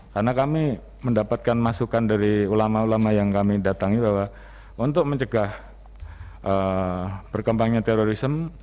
karena kami mendapatkan masukan dari ulama ulama yang kami datangi bahwa untuk mencegah berkembangnya terorisme